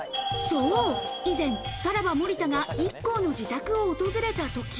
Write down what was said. そう、以前、さらば・森田がＩＫＫＯの自宅を訪れたとき。